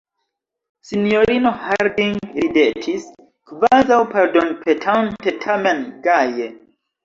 Sinjorino Harding ridetis, kvazaŭ pardonpetante, tamen gaje: